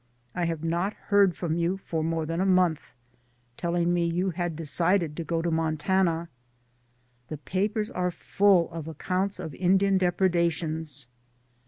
I have not heard from you for more than a month, telling me you had de cided to go to Montana. The papers are full of accounts of Indian depredations.